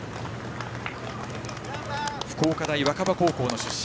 福岡大若葉高校の出身。